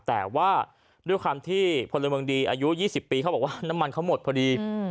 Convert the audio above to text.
แต่ว่าด้วยความที่พลเมืองดีอายุ๒๐ปีเขาบอกว่าน้ำมันเขาหมดพอดี